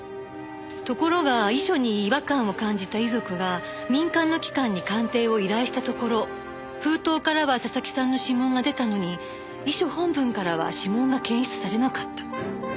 ところが遺書に違和感を感じた遺族が民間の機関に鑑定を依頼したところ封筒からは佐々木さんの指紋が出たのに遺書本文からは指紋が検出されなかった。